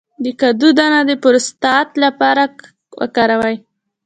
د کدو دانه د پروستات لپاره وکاروئ